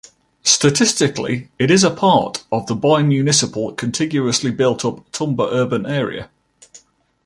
Statistically it is a part of the bimunicipal contiguously built-up Tumba urban area.